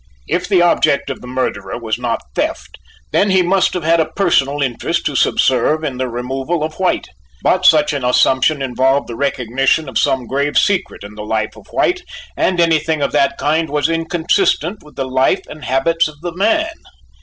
If the object of the murderer was not theft, then he must have had a personal interest to subserve in the removal of White: but such an assumption involved the recognition of some grave secret in the life of White and anything of that kind was inconsistent with the life and habits of the man.